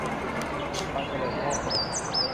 ความเจริญงอกงาม